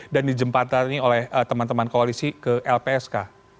dan dijempatkan oleh teman teman koalisi ke lpsk